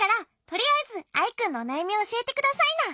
とりあえずアイくんのおなやみをおしえてくださいな。